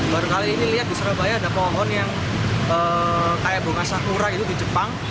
baru kali ini di surabaya ada pohon pohon yang kaya bunga sakura gitu di jepang